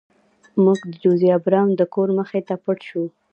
موږ د جوزیا براون د کور مخې ته پټ شو.